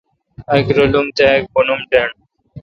اک رالم تہ اک بونم ڈنڈ۔